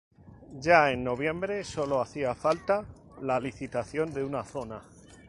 Ya en noviembre sólo hacía falta la licitación de una zona.